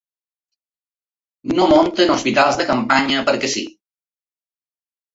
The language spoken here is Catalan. No munten hospitals de campanya perquè sí.